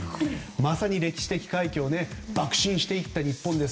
まさに歴史的快挙をばく進していった日本代表